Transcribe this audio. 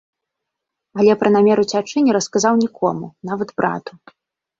Але пра намер уцячы не расказаў нікому, нават брату.